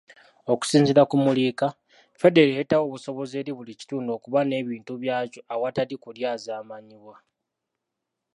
Okusinziira ku Muliika, federo ereetawo obusobozi eri buli kitundu okuba n'ebintu byakyo awatali kulyazaamanyibwa.